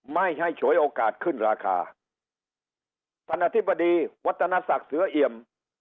ไม่ให้ฉวยโอกาสขึ้นราคาท่านอธิบดีวัฒนศักดิ์เสือเอี่ยม